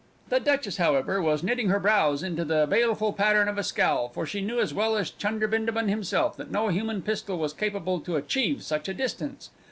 The Duchess, however, was knitting her brows into the baleful pattern of a scowl for she knew as well as Chunder Bindabun himself that no human pistol was capable to achieve such a distance!